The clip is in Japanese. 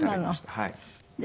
はい。